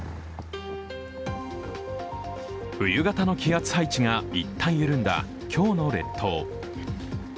冬型の気圧配置が一旦緩んだ今日の列島。